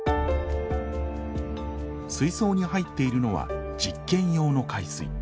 水槽に入っているのは実験用の海水。